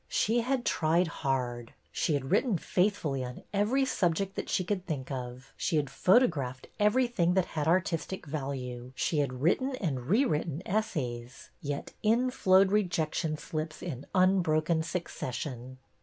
She had tried hard. She had written faithfully on every subject that she could think of, she had photographed every thing that had artistic value, she had written and rewritten essays; yet in flowed rejection slips in unbroken succession.